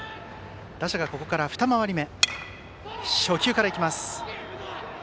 打者はここから二回り目。